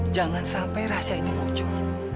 jangan sampai rahasia ini muncul